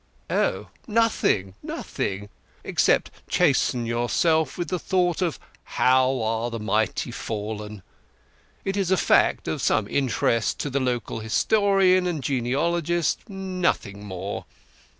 "Oh—nothing, nothing; except chasten yourself with the thought of 'how are the mighty fallen.' It is a fact of some interest to the local historian and genealogist, nothing more.